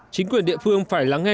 chính quyền địa phương phải lắng nghe